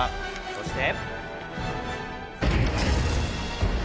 そして。